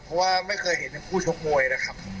เพราะว่าไม่เคยเห็นทั้งคู่ชกมวยนะครับ